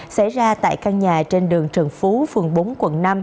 xảy ra tại căn nhà trên đường trần phú phường bốn quận năm